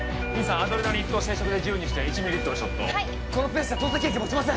アドレナリン１筒を生食で１０にして１ミリリットルショットはいこのペースじゃ透析液持ちません！